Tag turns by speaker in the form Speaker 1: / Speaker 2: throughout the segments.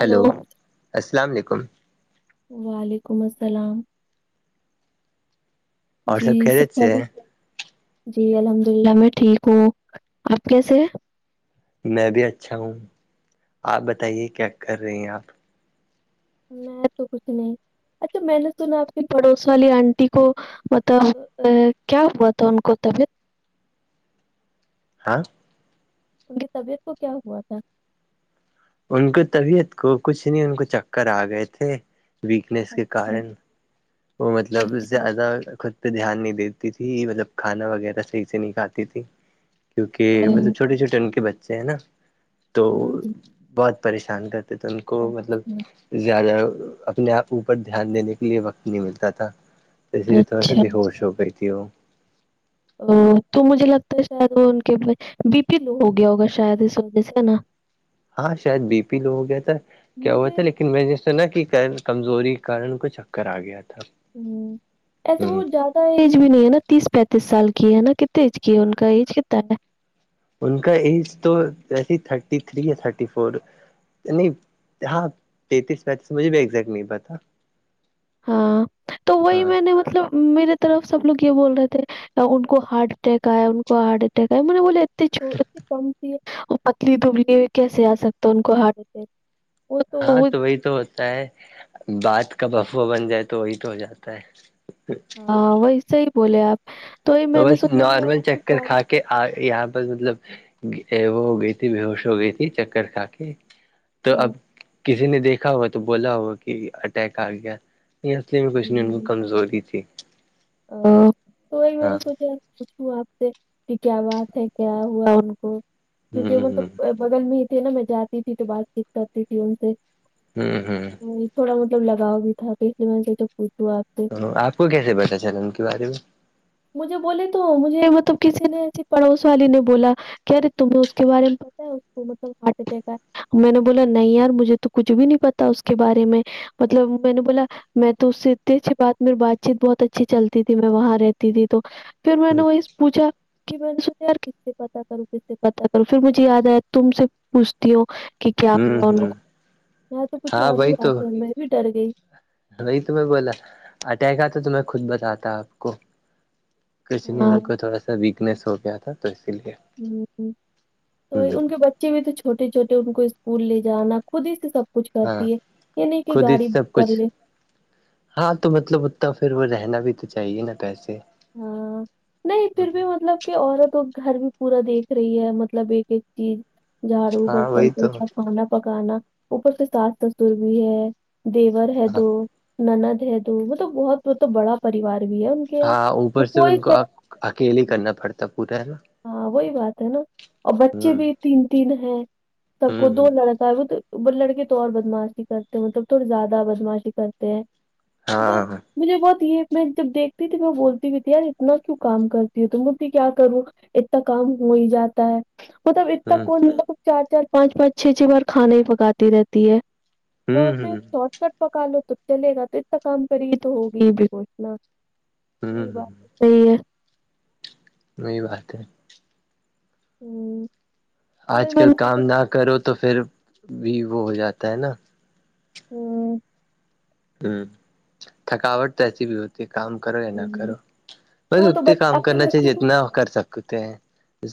Speaker 1: hello السلام علیکم
Speaker 2: وعلیکم السلام
Speaker 1: اور
Speaker 2: جی
Speaker 1: سب خیریت سے ہے
Speaker 2: جی الحمد اللہ میں ٹھیک ہوں آپ کیسے
Speaker 1: میں بھی اچھا ہوں آپ بتائیے کیا کر رہے ہیں آپ
Speaker 2: میں تو کچھ نہیں اچھا میں نے سنا آپ کی پڑوس والی آنٹی کو مطلب کیا ہوا تھا ان کو طبیعت
Speaker 1: ہاں
Speaker 2: ان کی طبیعت کو کیا ہوا تھا
Speaker 1: ان کو طبیعت کو کچھ نہیں ان کو چکر آ گئے تھے ویکنیس کے
Speaker 2: اچھا
Speaker 1: کارن وہ مطلب
Speaker 2: اچھا
Speaker 1: زیادہ [unintelligible] تو دھیان نہیں دیتی تھی مطلب کھانا وغیرہ صحیح سے نہیں کھاتی تھی [unintelligible]
Speaker 2: او،
Speaker 1: کیونکہ ملب چھٹے چھوٹے ان کے بچے ہیں نا تو
Speaker 2: ہوں،
Speaker 1: بہت پریشان کرتے تھے ان کو مطلب
Speaker 2: اچھا
Speaker 1: زیادہ اپنے آپ اوپر دھیان دینے کے لیے وقت نہیں ملتا تھا اسی تھوڑا سا
Speaker 2: اچھا
Speaker 1: بیہوش ہو گئی ت ہو
Speaker 2: او تو مجھے لگتا ہے شاید وہ ان کے بی پینو ہو گیا ہوگا شاید اس وجہ سے ہے نا
Speaker 1: ہاں شاید بی پی لو ہو گیا تھا کیا ہوا
Speaker 2: مجھے
Speaker 1: تھا لیکن میں جیس نا کہ کمزوری کےارن کو چکر آ گیا تھا
Speaker 2: ہ ایسے
Speaker 1: ہ
Speaker 2: وہ زیادہ ایج بھی نہیں ہے نا تیس پینتیس سال کی ہے نا ک تیج کیا ان کا ایج کتنا
Speaker 1: ان کا ایج تو ایسے تھرٹی تھری ہے تھرٹی فور نہیں ہاں تینتیس پینتیس مجھے بھی ایگزیکٹ نہیں پتا
Speaker 2: ہاں تو وہی
Speaker 1: ہاں
Speaker 2: میں نے مطلب میرے طرف سب لوگ یہ بول رہے تھے ان کو ہارٹ اٹیک آئے ان کو ہارٹ اٹیک آئے م بولے ا انی کم ت وہ پتلی دبلی ہوئی کیسے آ سکتا ان کو ہارٹ اٹیک وہ
Speaker 1: ہاں
Speaker 2: وہ
Speaker 1: تو وہی تو ہے بعات کا بفوا بن جائے تو وہی تو ہو جاتا ہے
Speaker 2: ہاں وہ سےح ہی بولے آپ [unintelligible] وہی میں نے
Speaker 1: بس
Speaker 2: سوچا خیر
Speaker 1: نارمل
Speaker 2: آپ کی
Speaker 1: چکر
Speaker 2: کال
Speaker 1: کھا کے یہاں پر مطلب [unintelligible] وہ ہو گئی تھی ب ہووش ہو گئی تھی چکر کھا کے [unintelligible] تو اب
Speaker 2: ہوں،
Speaker 1: کسی نے دیکھا ہوا تو بولا ہوگا کہ اٹیک آ گیا [unintelligible] یہ اصلے میں کچھ نہیں ان کو
Speaker 2: ہوں،
Speaker 1: کمزوری تھی [unintelligible]
Speaker 2: تو وہی میں نے
Speaker 1: ہاں
Speaker 2: سوچا [unintelligible] پوچھوں آپ سے کہ کیا بات ہے کیا ہوا ان کو کیونکہ
Speaker 1: ہوں
Speaker 2: مطلب [unintelligible] بغل میں ہی تھے نا میں جاتی تھی تو بات چیت کرتی تھی ان سے
Speaker 1: ھمم ھمم
Speaker 2: تھوڑا مطلب لگاؤ بھی تھا پ اس لیے میں نے کہ تو پوچھو آپ سے
Speaker 1: آپ کو کیسےتا چلا ان کے بارے میں
Speaker 2: مجھے بولے تو مجھے مطلب کسی نے ایسی پڑوس والی نے بولا کہ ارے تمیں اس کے بارے میں مطلب ہارٹ اٹیک آئے میں نے بولا نہیں یار مجھے تو کچھ بھی نہیں پتا اس کے بارے میں مطلب میں نے بولا میں تو اس سے اتنی اچھی بات م بات چیت بہت اچھی چلتی تھی میں وہاں رہتی تھی تو پھر میں نے وہی پوچھا [unintelligible] [unintelligible] ہوں کہ کیا
Speaker 1: ہوں
Speaker 2: ہوا ان
Speaker 1: ہ
Speaker 2: کو تو کچھ
Speaker 1: ہاں
Speaker 2: اور ہی
Speaker 1: وہی تو
Speaker 2: بات ہے میں بھی ڈر گئی [unintelligible]
Speaker 1: وہی تمہیں بولا اٹیک آ تو تمہیں خود بتاتا آپ کو کچ نے
Speaker 2: ہاں
Speaker 1: ان کو تھوڑا سا ویکنیس ہو گیا تھا تو اسی لیے
Speaker 2: ہ ہ تو
Speaker 1: ہ
Speaker 2: ان کے بچ [unintelligible] بچے ہوئے تو چھوٹے چھوٹے ان کو اسکول لے جانا خود ہی سے سب [unintelligible] کچھ
Speaker 1: ہاں
Speaker 2: کرتی ہے نہیں کہ
Speaker 1: خود ہی
Speaker 2: گاڑی
Speaker 1: سب کچھ
Speaker 2: کر لے
Speaker 1: ہاں تو مطلب اتنا پھر وہ رہنا بھی تو چاہیے نا پیسے [unintelligible]
Speaker 2: ہاں نہیں پھر بھی مطلب [unintelligible] کہ عورت گھر بھی پورا دیکھ رہی ہے مطلب ایک ایک چیز جھاڑو
Speaker 1: ہاں
Speaker 2: برتن
Speaker 1: وہی تو
Speaker 2: سوچھا کھانا پکانا اوپر سے ساس تسر بھی ہے دیور ہے
Speaker 1: ہاں
Speaker 2: دو ند ہے دو مطلب بہت مطب بڑا پریوار بھی ہے کے یہاں
Speaker 1: ہاں اوپر
Speaker 2: اور
Speaker 1: سے
Speaker 2: کوئی
Speaker 1: ان کو
Speaker 2: سب
Speaker 1: اکیلے ہی کرنا پڑتا پورا ہے نا
Speaker 2: ہاں وہی بات ہے نا اور بچے
Speaker 1: ہوں
Speaker 2: بھی تین تین ہیں سب کو دو
Speaker 1: ہوں
Speaker 2: لڑک ب ب لڑکے تو اور بدماشی کرتے ہیں مطلب تھوڑا زیادہ بدماشی کرتے ہیں [unintelligible] مطلب
Speaker 1: ہاںاںاں [unintelligible]
Speaker 2: مجھے بہت یہ میں جب دیکھتی تھی میں بول کے بیدیا یار اتنا کیوں کام کرتی ہے تم تو بولتی کیا کروں اتنا کام ہو ہی جاتا ہے مطلب اتتا
Speaker 1: ہوں
Speaker 2: کون مطلب چار چار پانچ پانچ چھ چھ بار کھانا ہی پکاتی رہتی ہے تو
Speaker 1: ہوں
Speaker 2: پھر
Speaker 1: ہ
Speaker 2: شارٹ کٹ پکا لو تو چلے گا تو اتنا کام کری گی تو ہوگی بھی گھوشنا ہے
Speaker 1: ہوں ہ
Speaker 2: بات تو صحیح ہے
Speaker 1: وہی بات ہے
Speaker 2: ھمم
Speaker 1: آج کل کام نہ کرو تو پھر بھی وہ ہو جاتا ہے نا
Speaker 2: ھممم
Speaker 1: ہوں تھکاوٹ تو ایسی بھی ہوتی کام کرو یا نہ
Speaker 2: ہوں
Speaker 1: کرو
Speaker 2: تو
Speaker 1: بس
Speaker 2: وہ تو
Speaker 1: اتنے
Speaker 2: بچ
Speaker 1: کام
Speaker 2: اپنے
Speaker 1: کرنا چاہیے
Speaker 2: بچوں کو
Speaker 1: جتنا کر سکتے ہیں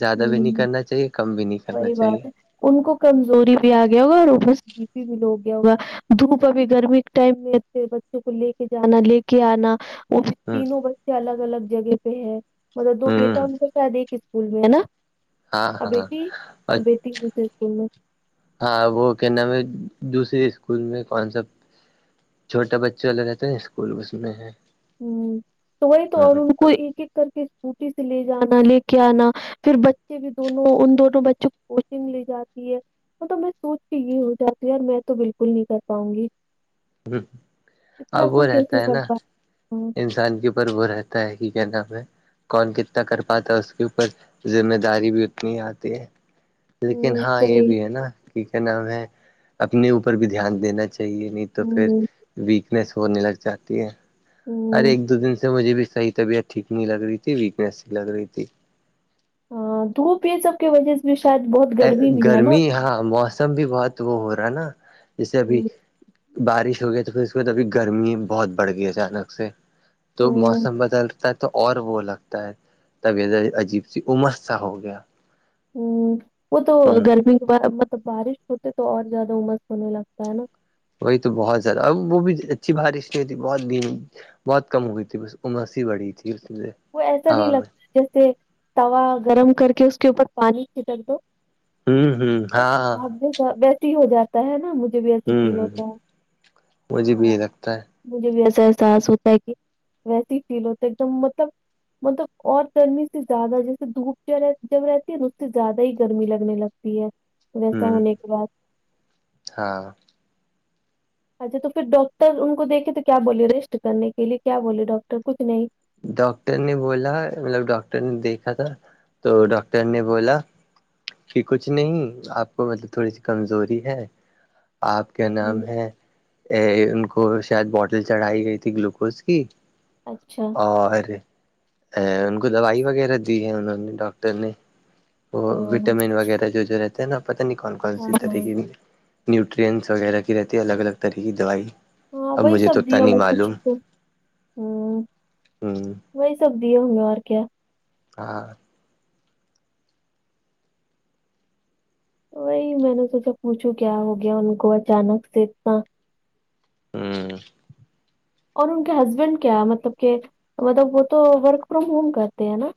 Speaker 1: زیادہ بھی
Speaker 2: ہمم
Speaker 1: نہیں کرنا چاہیے کم بھی نہیں کرنا
Speaker 2: وہی
Speaker 1: چاہیے
Speaker 2: بات ہے ان کو کمزوری بھی آ گیا ہوگا اور اوپر سے بیی بھی لو ہو گیا ہوگا دھوپ ابھی گرمی کے ٹائم میںے بچوں کو لے کے جانا لے کے آنا وہ
Speaker 1: ہ
Speaker 2: تینوں بچے الگ الگ جگہ پہ ہے مطلب دو بیٹا
Speaker 1: ہ
Speaker 2: ان کا شاید ایک اسکول میں ہے نا
Speaker 1: ہاں
Speaker 2: اور
Speaker 1: ہاں
Speaker 2: بیٹی اور
Speaker 1: اچھ
Speaker 2: بیٹی
Speaker 1: [unintelligible]
Speaker 2: دوسرے اسکول میں
Speaker 1: ہاں وہ کیا نام ہے دوسرے اسکول میں کونسپٹ چھوٹا بچے والے رہتے ہیں نا اسکول اس میں ہے
Speaker 2: ہو تو وہی تو اور ان کو ایک ایک کر کے اسکوٹی سے لے جانا لے کے آنا پھر بچے بھی دونوں ان دونوں بچوں کو کوچنگ لے جاتی ہے تو میں سوچتی ہوں یہ ہو جاتیہ میں تو بالکل نہیں کر پاؤں گی اتنا
Speaker 1: اب وہ
Speaker 2: کوئی کیسے
Speaker 1: رہتا ہے
Speaker 2: کر
Speaker 1: نا
Speaker 2: پا
Speaker 1: انسان کے پر وہ رہتا ہے کہ کیا نام ہے کون کتنا کر پاتا ہے اس کے اوپر ذمہ داری بھی اتنی آتی ہے لیکن
Speaker 2: ہوں
Speaker 1: ہاں یہ
Speaker 2: صحیح
Speaker 1: بھی ہے نا کہ کیا نامیں اپنے اوپر بھی دھیان دینا چاہیے نہیں تو پھر
Speaker 2: ہوں
Speaker 1: ویکنیس ہونے لگ جاتی ہے ارے
Speaker 2: ہوں
Speaker 1: ایک دو دن سے مجھے بھی صحیح طبیعت ٹھیک نہیں لگ رہی تھی ویکنیس سی لگ رہی تھی
Speaker 2: ہا دھوپ یہ سب کی وجہ سے بھی شاید بہت
Speaker 1: ا
Speaker 2: بھی ہے نا
Speaker 1: گرمی ہاں موسم بھی بہت وہ ہو رہا ہے نا جیسے ابھی
Speaker 2: ہوں
Speaker 1: بارش ہو گیا تو پھر اس کے بعد ابھی گرمی بہت بڑھ گئی اچانک سے تو
Speaker 2: ہوں
Speaker 1: موسم بدلتا ہے تو اور وہ لگتا ہے ہوتا ہے تب عجیب سی عمس سا ہو گیا
Speaker 2: ہو وہ تو
Speaker 1: ہوں
Speaker 2: گرمی کے بعد مطلب بارش ہوتے تو اور زیادہ امس ہونے لگتا ہے نا
Speaker 1: وہی تو بہت زیادہ وہ بھی اچھی بارش نہیں ہوئے ٹھی بہت دھیمی بہت کم ہو گئی تھی بس عمسی ہی بڑی تھی اس سے
Speaker 2: وہ ایسا نہیں لگتا جیسے توا گرم کر کے اس کے اوپر پانی چھٹک دو
Speaker 1: ہوں ہوں
Speaker 2: ویسے
Speaker 1: ہاں
Speaker 2: بھاپ جیسا ویسے ہی ہو جات ہے نا مجھے بھی ایسی
Speaker 1: ہوں
Speaker 2: فیل ہوتا
Speaker 1: ہ مجھے
Speaker 2: ہے
Speaker 1: بھی
Speaker 2: ہاں
Speaker 1: یہ لگتا ہے
Speaker 2: مجھے بھی ایسا احساس ہوتا ہے کہ ویسے ہی فیل ہوتا ہے ایک دم مطلب مطلب اور گرمی سے زیادہ جیسے دھوپ ج جب رہتی ہے نا اس سے زیادہ ہی گرمی لگنے لگتی ہے ویسا
Speaker 1: ہوں
Speaker 2: ہونے کے بعد
Speaker 1: ہاں
Speaker 2: اچھا تو پھر ڈاکٹر ان کو دیکھے تو کیا بولیے ریسٹ کرنے کے لیے کیا بولے ڈاکٹر کچھ نہیں
Speaker 1: ڈاکٹر نے بولا مطلب ڈاکٹر نے دیکھا تھا تو ڈاکٹر نے بولا کہ کچھ نہیں آپ کو مطلب تھوڑی سی کمزوری ہے آپ کیا نام
Speaker 2: ہوں،
Speaker 1: ہے ان کو شاید بوٹل چڑھائی گئی تھی گلوکوز کی
Speaker 2: اچھا
Speaker 1: اور ان کو دوائی وغیرہ دی ہے انہوں نے ڈاکٹر نے وہ
Speaker 2: [inaudible]
Speaker 1: وٹامن وغیرہ جو جو رہتے ہیں نا پتاہ نہیں کون کون سی
Speaker 2: ہاں
Speaker 1: طریقے کی نیوٹرینس وغیرہ کی رہتی ہے الگ الگ طرح کی دوائی
Speaker 2: ہاں
Speaker 1: اب
Speaker 2: وہی
Speaker 1: مجھے تو
Speaker 2: سب
Speaker 1: اتنا
Speaker 2: دیا
Speaker 1: نہیں
Speaker 2: وہ کچھ
Speaker 1: معلوم ہوں
Speaker 2: وہی سب دییاے ہوںے اور کیا
Speaker 1: ہاں
Speaker 2: وہی میں نے سوچا پوچھو کیا ہو گیا ان کو اچانک سے اتنا
Speaker 1: ہوں
Speaker 2: اور ان کے ہسبینڈ کیا مطلب کہ مطلب وہ تو ورک فرام ہوم کرتے ہیں نا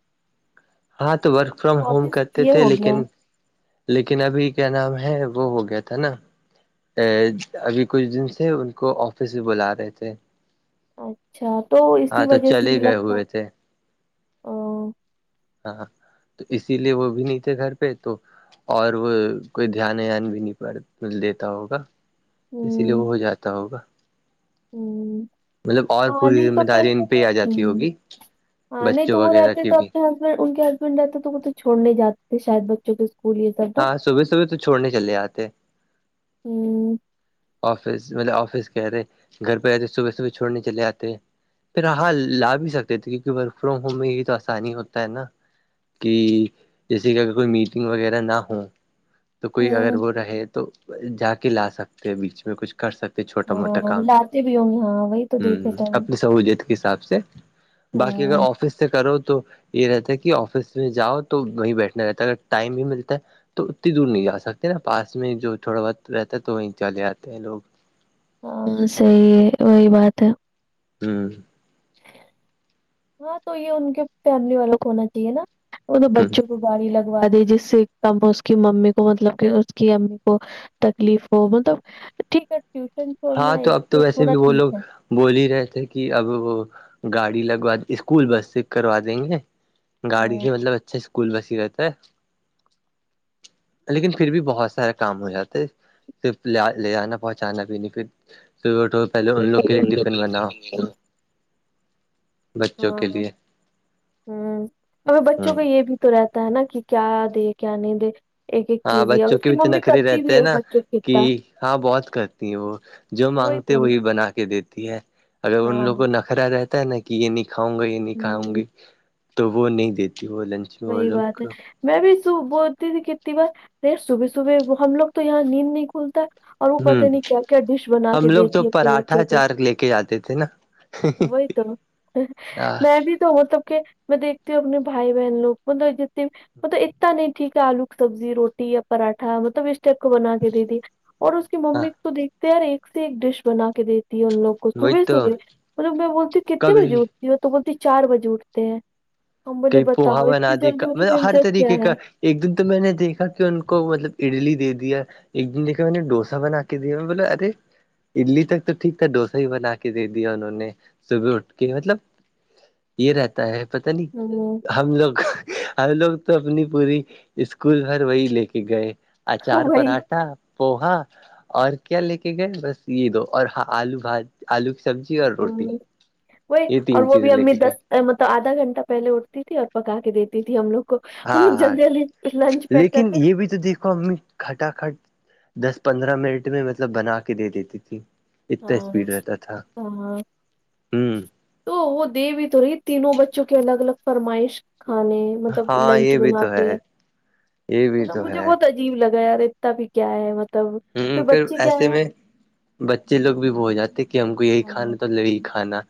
Speaker 1: ہاں تو ورک فرام
Speaker 2: تو
Speaker 1: ہوم
Speaker 2: آفس
Speaker 1: کرتے
Speaker 2: یہ
Speaker 1: تھے
Speaker 2: ہو
Speaker 1: لیکن
Speaker 2: گیا
Speaker 1: لیکن ابھی کیا نام ہے وہ ہو گیا تھا نا ابھی کچھ دن سے ان کو آفس بھی بلا رہے تھے
Speaker 2: اچھا تو
Speaker 1: ہاں
Speaker 2: اسی
Speaker 1: تو
Speaker 2: وجہ سے بھی
Speaker 1: چلے گئے
Speaker 2: لگتا
Speaker 1: ہوئے تھے ہاں تو اسی لیے وہ بھی نہیں تھے گھر پہ تو اور وہ کوئی دھیان ان بھی نہیں دیتا ہوگا تو اسی لیے وہ ہو جاتا ہوگا
Speaker 2: ہوں
Speaker 1: مطلب اور
Speaker 2: ہاں
Speaker 1: پوری
Speaker 2: نہیں
Speaker 1: ذمہ
Speaker 2: تو پھر
Speaker 1: داری ان پہ ہی آ جاتی
Speaker 2: ہوں
Speaker 1: ہوگی
Speaker 2: ہاں نہیں
Speaker 1: بچوں
Speaker 2: تو وہ
Speaker 1: وغیرہ
Speaker 2: رہتے
Speaker 1: کی
Speaker 2: تو
Speaker 1: بھی
Speaker 2: اپنے ہسبینڈ ان کے رہتا تو وہ تو چھوڑ نہیں جاتے شاید بچوں کے اسکول سب نا
Speaker 1: ہاں صبح صبح تو چھوڑنے چلے آتے
Speaker 2: ہوں
Speaker 1: آفس مطلب آفس کہہ رہے گھر پہ رہتے صبح صبح چھوڑنے چلے آتے پھر ہاں لا بھی سکتے تھے کیونکہ ورک فرام ہوم میں یہ تو آسانی ہوتا ہے نا کہ جیسے کہ اگر کوئی میٹنگ وغیرہ نہ ہ تو کوئی اگر
Speaker 2: ہوں
Speaker 1: وہ رہے تو جا کے لا سکتے ہیں بیچ میں کچھ کر سکتے چھوٹا موٹا
Speaker 2: ہاں
Speaker 1: کام
Speaker 2: لاتے بھی ہوں گے ہاں وہی تو
Speaker 1: ہ
Speaker 2: دیکھے تھے ہم
Speaker 1: اپنی سہت حساب سے باقی اگر
Speaker 2: ہاں
Speaker 1: آفس سے کرو تو یہ رہتا ہے کہ آفس میں جؤ تو وہیں بیٹھنا رہتا ہے اگر ٹائم بھی ملتا ہے تو اتنی دور نہیں جا سکتے نا پاس میں جو تھوڑا بہت رہتا ہے تو وہیں چلے آتے ہیں لوگ
Speaker 2: ہاں صحی ہے وہی بات ہے
Speaker 1: ہوں
Speaker 2: ہاں تو یہ ان کے فیملی والوں کو ہونا چاہیے نا وہ
Speaker 1: ہ
Speaker 2: بچوں کو باری لگ مگوا دی جس سے کم اس کی ممی کو مطلب کہ اس کی امی کو تکلیف ہو مطلب ٹھیک ہے ٹیوشن
Speaker 1: ہاں
Speaker 2: چھوڑنا
Speaker 1: تو
Speaker 2: ایک
Speaker 1: اب تو ویسے
Speaker 2: تھوڑا
Speaker 1: بھی وہ لوگ
Speaker 2: ٹھیک ہے
Speaker 1: بول ہی رہے تھے کہ اب گاڑی لگوا اسکول بس سے کروا دیں گے گاڑی
Speaker 2: ہاں
Speaker 1: سے مطلب اچھا اسکول بس ہی رہتا ہے لیکن پھر بھی بہت سارے کام ہو جاتے صرف ل لے جانا پہنچانا بھی پ تو پہلے ان لوگ کے لیے ٹفن بناؤ بچوں کے لیے
Speaker 2: ہ ا بچوں
Speaker 1: ہوں
Speaker 2: کا یہ بھی تو رہتا ہے نا کہ کیا دے کیا نہیں دے ایک ایک
Speaker 1: ہاں
Speaker 2: چیز یہ اور
Speaker 1: بچوں
Speaker 2: اس
Speaker 1: کی بھی تو
Speaker 2: ممی
Speaker 1: نخری
Speaker 2: کرتی
Speaker 1: رہتے
Speaker 2: بھی
Speaker 1: ہیں
Speaker 2: ہے
Speaker 1: نا
Speaker 2: بچوں کی
Speaker 1: کہ
Speaker 2: اتا
Speaker 1: ہاں بہت کرتی ہیں وہ جو مانگتے وہی بنا کے دیتی ہے اگر ان
Speaker 2: ہاں
Speaker 1: لوگ کو ن کرا رہتا ہے نا کہ یہ نہیں کھاؤں گا یہ نہیں کھاؤں
Speaker 2: ہوں
Speaker 1: گی تو وہ نہیں دیتی وہ لنچ میں وہ
Speaker 2: وہی
Speaker 1: لوگ
Speaker 2: بات ہے
Speaker 1: کو
Speaker 2: میں بھی س بولتی تھی کتنی بار ر صبح صبح ہم لوگ تو یہاں نیند نہیں کھلتا اور وہ
Speaker 1: ہ
Speaker 2: پتہ نہیں کیا کیا ڈش بنا کے
Speaker 1: ہم لوگ تو
Speaker 2: دیتی اپنے بچوں
Speaker 1: پراٹھا
Speaker 2: کو
Speaker 1: چار لے کے جاتے تھے نا
Speaker 2: وہی تو میں بھی تو ملب کہ میں دیکھتی ہوں اپنے بھائی لوگ تو ج مطلب اتنا نہیںٹھیک آلو کی سبزی روٹی یا پراٹھا مطلب اسٹپ کو بنا کے دے دی اور اس کی
Speaker 1: ہاں
Speaker 2: ممی کو تو دیکھتے ہیں یار ایک سے ایک ڈش بنا کے دیتی ہے ان لوگ کو
Speaker 1: وہی
Speaker 2: صبح
Speaker 1: تو
Speaker 2: صبح مطلب میں بولتی کتنے بجے
Speaker 1: کبھی
Speaker 2: اٹھتی ہوں تو بولتی چار بجے اٹھتے ہیں ہممبلی ب
Speaker 1: ہن آد کا مطلب ہر طریقے کا ایک دن تو میں نے دیکھا کہ ان کو مطلب اڈلی دے دیا ایک دن دیکے م نے ڈوسا بنا کے دے بولے ارے اڈلی تک تو ٹھیک تھا ڈوسا ہی بنا کے دے دیا انہوں نے صبح اٹھ کے مطلب یہ رہتا ہے پتا نہیں
Speaker 2: ہ [unintelligible]
Speaker 1: ہم لوگ ہم لوگ تو اپنی پوری اسکول گھر وہی لے کے گئے ا چار
Speaker 2: وہی
Speaker 1: پراٹھا پوہا اور کیا لے کے گئے بس یہ دو اور ہاں آلو بھاات آلو کی سبزی اور روٹی
Speaker 2: ہوں وہی
Speaker 1: یہ
Speaker 2: اور
Speaker 1: تین
Speaker 2: وہ
Speaker 1: چیزیں
Speaker 2: بھی
Speaker 1: لے
Speaker 2: امی
Speaker 1: کے گئے
Speaker 2: دس مطلب آدا گھنٹہ پہلے اھتی تھی اور پا کے دیتی تھی ہم لوگ کو ہم
Speaker 1: ہاں
Speaker 2: لوگ
Speaker 1: ہاں
Speaker 2: جلدی جلدی لنچ پیک
Speaker 1: لیکن
Speaker 2: کرتے ہیں
Speaker 1: یہ بھی تو دیکو امی کھٹا کھٹ دس پندرہ منٹ میں مطلب بنا کے دے دیتی تھی اتنا
Speaker 2: ہاں
Speaker 1: اسپیڈ رہتا تھا
Speaker 2: ہاں
Speaker 1: ہوں
Speaker 2: تو وہ دے بھیی تو رہی تینوں بچوں کی الگ الگ فرمائش کھانے مطلب
Speaker 1: ہاں
Speaker 2: لنچ
Speaker 1: یہ بھی
Speaker 2: بنا
Speaker 1: تو
Speaker 2: کے
Speaker 1: ہے یہ بھی
Speaker 2: مطلب
Speaker 1: تو
Speaker 2: مجھے
Speaker 1: ہے
Speaker 2: بہت عجیب لگا ہے ریتتا بھی کیا ہے [unintelligible]
Speaker 1: ہوں پھر
Speaker 2: بچے کیا
Speaker 1: ایسے
Speaker 2: ہے
Speaker 1: میں بچے لوگ بھی وہ ہو جاتے کہ ہم کو یہی کھانا تو لی کھانا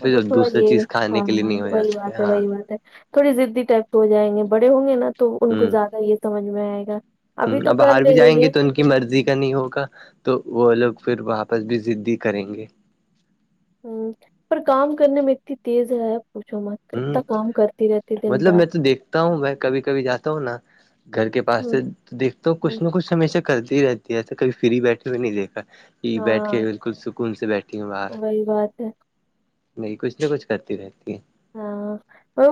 Speaker 2: مط توب تھوڑا
Speaker 1: دوسری
Speaker 2: یہ
Speaker 1: چیز کھانے
Speaker 2: ہاں
Speaker 1: کے لیے
Speaker 2: ہاں
Speaker 1: نہیں ہو
Speaker 2: وہی
Speaker 1: جاتے
Speaker 2: بات ہے
Speaker 1: ہاں
Speaker 2: وہی بات ہے [unintelligible] تھوڑی زضدی ٹائپ کے ہو جائیں گے بڑے ہوں گے نا تو ان کو
Speaker 1: ہوں ہ
Speaker 2: زیادہ یہ سمجھ میں آئے گا ابھی تو
Speaker 1: اب
Speaker 2: کر
Speaker 1: باہر بھی
Speaker 2: لے
Speaker 1: جائیں
Speaker 2: رہی
Speaker 1: گے
Speaker 2: ہے
Speaker 1: تو ان مرضی کا نہیں ہوگا تو وہ لوگ پھر واپس بھی دی کریں گے
Speaker 2: پر کام کرنے میں اتنی تیز ہےیا پوچھو م
Speaker 1: ہ
Speaker 2: اتنا کام کرتے [unintelligible]
Speaker 1: مطلب میں تو دیکھتا ہوں میں کبھی کبھی جاتا ہوں نا گھر کے پاس سے
Speaker 2: ہوں
Speaker 1: دیکھتا
Speaker 2: ہوں
Speaker 1: کچھ نہ کچھ ہمیشہ کرتی ہی رہتی ہے ایسا کبھی پھرری بیٹھے ہوئے نہیں دیکھا یہ بیٹھ کے
Speaker 2: ہاں
Speaker 1: بالکل سکون سے بیٹھی ہوں باہر
Speaker 2: وہی بات ہے
Speaker 1: نہیں کچھ نہ کچھ کرتی رہتی ہے
Speaker 2: ہاں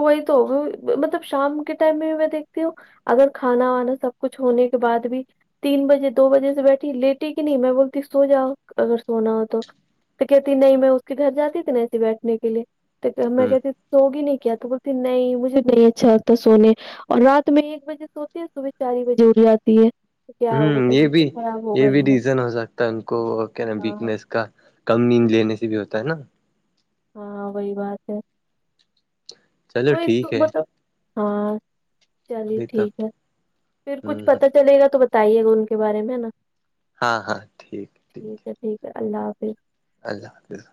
Speaker 2: وہی تو ہوگی مطلب شام کے ٹائم میں میں دیکھتی ہوں اگر کھانا وانا سب کچھ ہونے کے بعد بھی تین بجے دو بجے سے بیٹھی لیٹٹی کی نہیں میں بولتی سو جاؤ اگر سونا ہو تو تو کہتی نہیں میں اس کے گھر جاتی تھی ایسے بیٹھنے کے لیے تو میں
Speaker 1: ہ
Speaker 2: کہتی سوگی نے کیا تو بولتی نہیں مجھے نہیں اچھا لگتا سونے اور رات میں ایک بجے سوتی ہے صبح چار ہی بجے اٹھ جاتی ہے کیا
Speaker 1: ہوں
Speaker 2: ہوگا
Speaker 1: یہ
Speaker 2: طبیعت
Speaker 1: بھی
Speaker 2: تو خراب
Speaker 1: یہ
Speaker 2: ہوگا
Speaker 1: بھی
Speaker 2: ہی نا
Speaker 1: ریزن ہو سکتا ہے ان کو وہ کیا ن
Speaker 2: ہاں
Speaker 1: ویکنیس کا [unintelligible] کم نیند لینے سے بھی ہوتا ہے نا [unintelligible]
Speaker 2: ہاں وہی بات ہے
Speaker 1: چلو
Speaker 2: توئی تو
Speaker 1: ٹھیک ہے
Speaker 2: مطلب [unintelligible] ہاں چلیے
Speaker 1: وہی تو
Speaker 2: ٹھیک ہے پھر کچھ
Speaker 1: ہ
Speaker 2: پتا چلے گا تو بتائیے گا ان کے بارے میں نا [unintelligible]
Speaker 1: ہاں ہاں ٹھیک [inaudible]
Speaker 2: ٹھیک ہے ٹھیک ہے اللہ حافظ [inaudible]
Speaker 1: اللہ حافظ [inaudible]